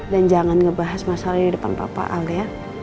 dan jangan ngebahas masalahnya di depan papa al ya